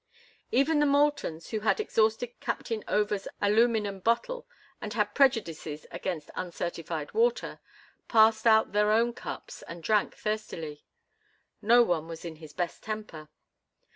Even the Moultons, who had exhausted Captain Over's aluminum bottle and had prejudices against uncertified water, passed out their own cups and drank thirstily. No one was in his best temper.